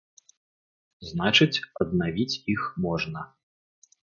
Значыць, аднавіць іх можна!